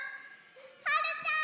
はるちゃん。